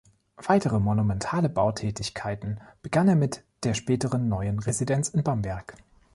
Weitere monumentale Bautätigkeiten begann er mit der späteren Neuen Residenz in Bamberg.